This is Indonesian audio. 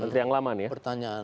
kementerian lama nih ya